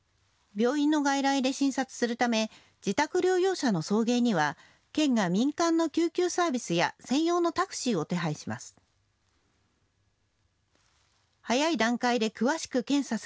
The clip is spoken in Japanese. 病院の外来で診察するため自宅療養者の送迎には県が民間の救急サービスや専用のタクシーを手配します。